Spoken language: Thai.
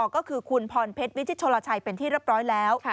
ก็คือคุณพรเพชรวิชิตโชลชัยเป็นที่เรียบร้อยแล้ว